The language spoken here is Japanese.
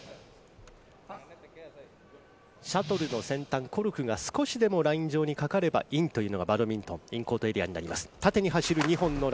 シャトルの先端、コルクが少しでもライン上にかかればインというのがバドミントン、インコートエリアになります。